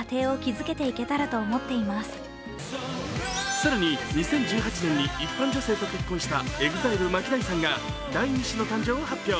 更に、２０１８年に一般女性と結婚したＥＸＩＬＥＭＡＫＩＤＡＩさんが第２子の誕生を発表。